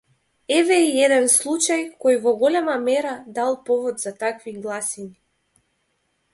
Еве и еден случај кој во голема мера дал повод за такви гласини.